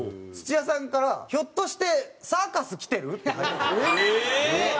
土屋さんから「ひょっとしてサーカス来てる？」って入ってて。